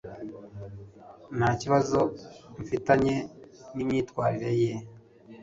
Nta kibazo mfitanye n'imyitwarire ye.